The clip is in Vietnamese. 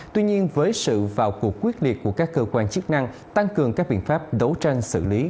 tuy nhiên với sự vào cuộc quyết liệt của các cơ quan chức năng tăng cường các biện pháp đấu tranh xử lý